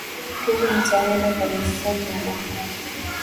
Kesho nitaenda kanisa na mama